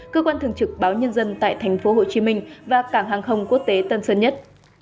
cơ quan thường trực báo nhân dân tại tp hcm và cảng hàng không quốc tế tân sơn nhất